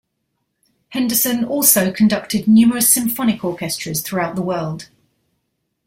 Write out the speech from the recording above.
Henderson also conducted numerous symphonic orchestras throughout the world.